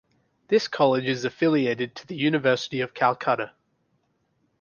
This college is affiliated to the University of Calcutta.